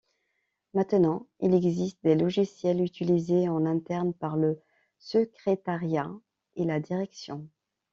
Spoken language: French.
Maintenant, il existe des logiciels utilisés en interne par le secrétariat et la direction.